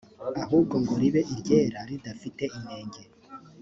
ahubwo ngo ribe iryera ridafite inenge